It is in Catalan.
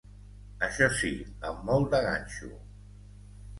Això sí, amb molt de ganxo.